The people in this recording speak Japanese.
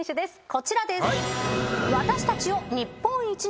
こちらです。